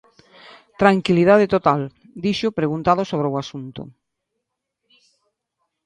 "Tranquilidade total", dixo preguntado sobre o asunto.